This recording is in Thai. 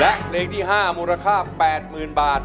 และเลขที่ห้ามูลค่าแปดหมื่นบาท